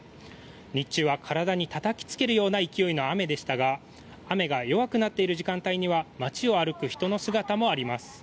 日中は体にたたきつけるような勢いの雨でしたが雨が弱くなっている時間帯には街を歩く人の姿もあります。